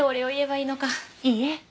いいえ。